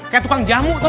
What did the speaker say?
kayak tukang jamu tau gak